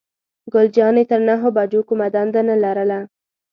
ګل جانې تر نهو بجو کومه دنده نه لرله.